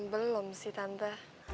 belum sih tante